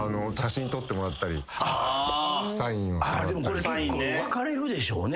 これ結構分かれるでしょうね。